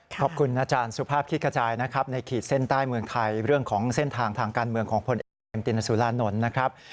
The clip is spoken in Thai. ขอบคุณอาจารย์สุภาพคิดกระจายนะครับในขีดเส้นใต้เมืองไทยเรื่องของเส้นทางทางการเมืองของพลเอกเรนตินสุรานนท์นะครับ